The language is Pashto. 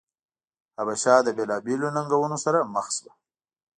حبشه له بېلابېلو ننګونو سره مخ شوه.